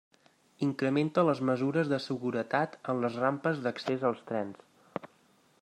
Incrementa les mesures de seguretat en les rampes d'accés als trens.